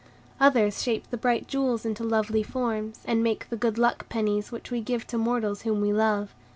Others shape the bright jewels into lovely forms, and make the good luck pennies which we give to mortals whom we love.